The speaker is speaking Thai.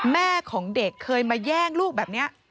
แม่ของเด็กเคยมาแย่งลูกแบบนี้